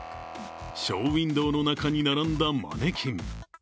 ショーウィンドーの中に並んだマネキン。